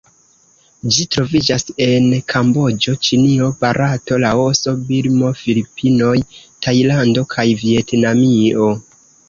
Ĝi troviĝas en Kamboĝo, Ĉinio, Barato, Laoso, Birmo, Filipinoj, Tajlando kaj Vjetnamio.